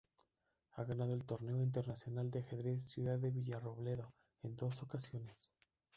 Ha ganado el Torneo Internacional de Ajedrez Ciudad de Villarrobledo en dos ocasiones.